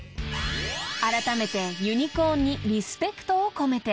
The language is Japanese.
［あらためてユニコーンにリスペクトを込めて］